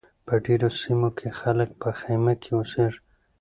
په ډېرو سیمو کې خلک په خیمه کې اوسیږي.